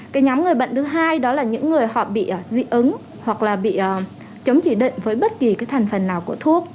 cái nhóm người bệnh thứ hai đó là những người họ bị dị ứng hoặc là bị chống chỉ định với bất kỳ cái thành phần nào của thuốc